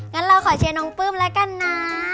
งั้นเราขอเชียร์น้องปลื้มแล้วกันนะ